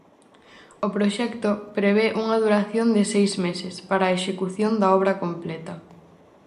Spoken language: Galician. O proxecto prevé unha duración de seis meses para a execución da obra completa.